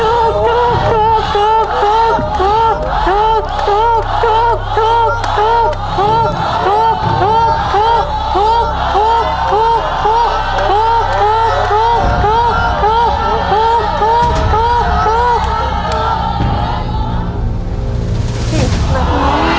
เยี่ยมมาก